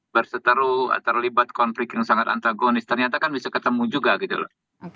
berseteru terlibat konflik yang sangat antagonis ternyata kan bisa ketemu juga gitu loh